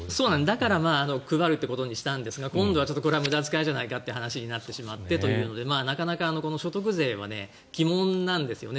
だから配るということにしたんですが今度はこれは無駄遣いじゃないかという話になってしまってなかなか所得税は鬼門なんですよね